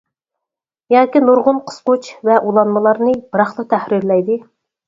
ياكى نۇرغۇن قىسقۇچ ۋە ئۇلانمىلارنى بىراقلا تەھرىرلەيلى.